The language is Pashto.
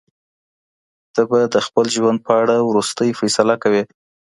ته به د خپل ژوند په اړه وروستۍ فیصله کوې.